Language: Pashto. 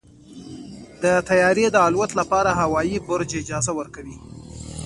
د طیارې د الوت لپاره هوايي برج اجازه ورکوي.